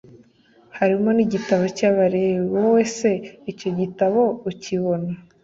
harimo n igitabo cy Abalewi Wowe se icyo gitabo ukibona